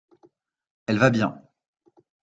Elle va bien.